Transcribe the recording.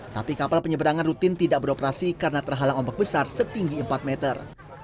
tapi kapal penyeberangan rutin tidak beroperasi karena terhalang ombak besar setinggi empat meter